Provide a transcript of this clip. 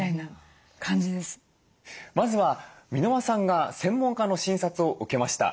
まずは箕輪さんが専門家の診察を受けました。